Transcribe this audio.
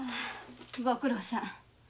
ご苦労さん。